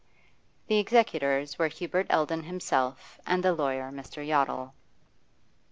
The executors were Hubert Eldon himself and the lawyer Mr. Yottle.